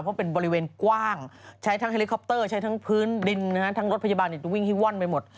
เพราะเป็นบริเวณกว้างใช้ทั้งเฮลิคอปเตอร์ใช้ทั้งพื้นดินทั้งรถพยาบาลวิ่งให้ว่อนไปหมด